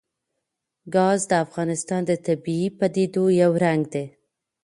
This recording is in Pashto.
ګاز د افغانستان د طبیعي پدیدو یو رنګ دی.